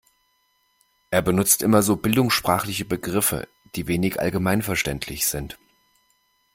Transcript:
Er benutzt immer so bildungssprachliche Begriffe, die wenig allgemeinverständlich sind.